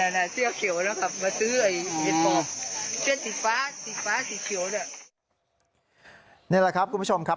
นี่แหละครับคุณผู้ชมครับ